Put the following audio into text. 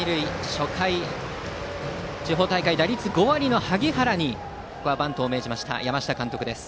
初回、地方大会打率５割の萩原にバントを命じました山下監督です。